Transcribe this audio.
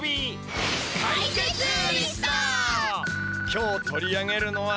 今日取り上げるのは。